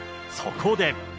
そこで。